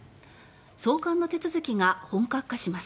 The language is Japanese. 送還の手続きが本格化します。